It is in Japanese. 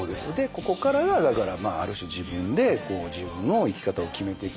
ここからがだからある種自分で自分の生き方を決めていく。